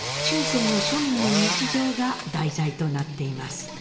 中世の庶民の日常が題材となっています。